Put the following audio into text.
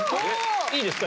いいですか？